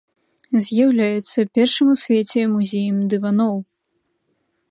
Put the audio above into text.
З'яўляецца першым у свеце музеем дываноў.